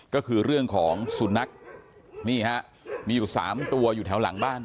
ก็คือเรื่องของสุนัขนี่ฮะมีอยู่๓ตัวอยู่แถวหลังบ้าน